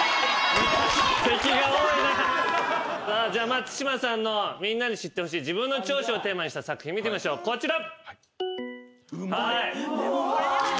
松嶋さんのみんなに知ってほしい自分の長所をテーマにした作品見てみましょうこちら。